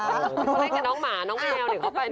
เค้าเล่นกับน้องหมาน้องแมวเดี๋ยวเค้าไปเนี่ย